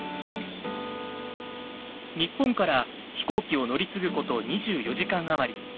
日本から飛行機を乗り継ぐこと２４時間余り。